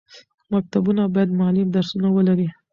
مکتبونه باید مالي درسونه ولري.